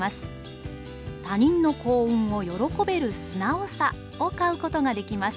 『他人の幸運を喜べる素直さ』を買うことができます。